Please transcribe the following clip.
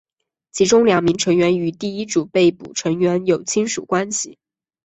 其中两名成员与第一组被捕成员有亲属关系。